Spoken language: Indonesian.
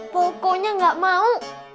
pokoknya gak mau